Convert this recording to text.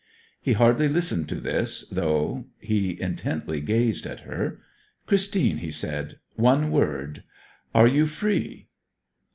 He hardly listened to this, though he intently gazed at her. 'Christine,' he said, 'one word. Are you free?'